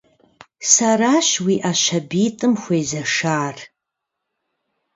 Сэращ уи Ӏэ щабитӀым хуезэшар.